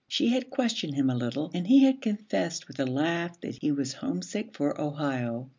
She had questioned him a little and he had confessed with a laugh that he was homesick for Ohio.